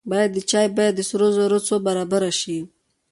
باید د چای بیه د سرو زرو څو برابره شي.